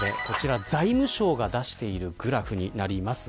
財務省が出しているグラフになります。